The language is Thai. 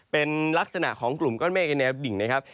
เป็นลักษณะของกลุ่มก้อนเมฆในแนวดิ่งนะครับ